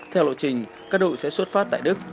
theo lộ trình các đội sẽ xuất phát tại đức